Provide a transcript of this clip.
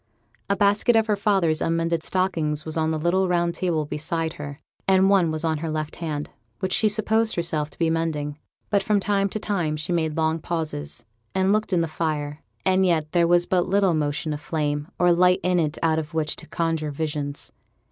A basket of her father's unmended stockings was on the little round table beside her, and one was on her left hand, which she supposed herself to be mending; but from time to time she made long pauses, and looked in the fire; and yet there was but little motion of flame or light in it out of which to conjure visions.